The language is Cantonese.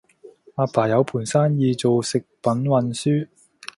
阿爸有盤生意做食品運輸